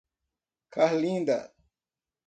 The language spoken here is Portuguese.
Carlinda